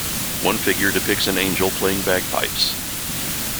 One figure depicts an angel playing bagpipes.